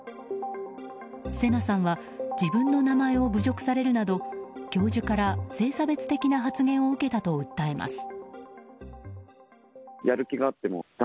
聖奈さんは自分の名前を侮辱されるなど教授から性差別的な発言を受けたと訴えます。